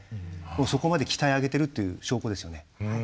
そこまで鍛え上げてるっていう証拠ですよね。